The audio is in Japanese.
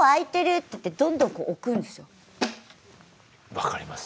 分かります。